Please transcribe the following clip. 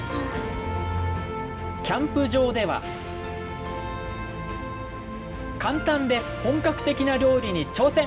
キャンプ場では簡単で本格的な料理に挑戦！